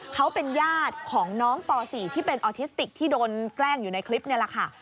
เขาเป็นญาติของน้องป๔ที่เป็นออทิสติกที่โดนแกล้งอยู่ในคลิปนี่แหละค่ะ